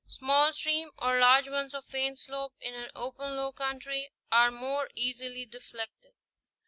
Small streams or large ones of faint slope in an open low country are more easily deflected.